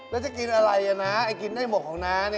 แล้วจะกินอะไรนะไอ้กินได้หมดของน้า